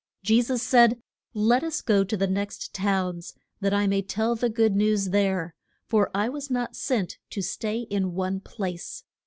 Je sus said, Let us go to the next towns, that I may tell the good news there; for I was not sent to stay in one place.